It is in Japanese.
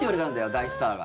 大スターが。